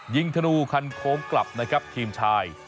ยิงธนูคันโคมกลับนะครับทีมไทย